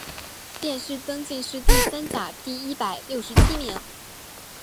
殿试登进士第三甲第一百六十七名。